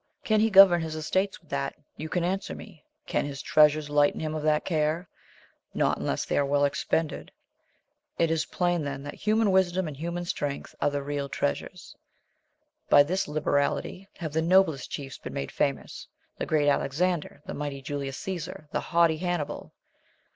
Can he govern his estates with that ? you can answer me. * Can his treasures lighten him of that care? not unless they are well expended : it is plain then that human wisdom and human strength are the real treasures. By this liberality have the noblest chiefs been made famous, the great Alexander, the mighty Julius Caesar, the haughty Hannibal.